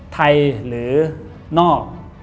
ไทยหรือนอก